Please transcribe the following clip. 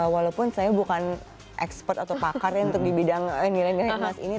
walaupun saya bukan expert atau pakar untuk di bidang nilainya emas ini